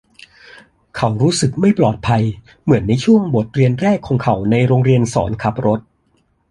เขารู้สึกไม่ปลอดภัยเหมือนในช่วงบทเรียนแรกของเขาในโรงเรียนสอนขับรถ